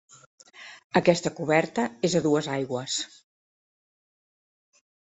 Aquesta coberta és a dues aigües.